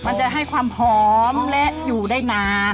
มันจะให้ความหอมและอยู่ได้นาน